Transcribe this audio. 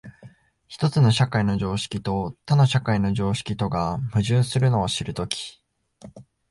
一つの社会の常識と他の社会の常識とが矛盾するのを知るとき、